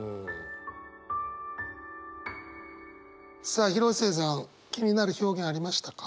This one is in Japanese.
さあ広末さん気になる表現ありましたか？